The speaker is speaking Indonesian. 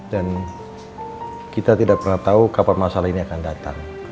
dan kita tidak pernah tahu kapan masalah ini akan datang